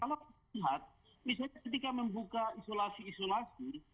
kalau kita lihat misalnya ketika membuka isolasi isolasi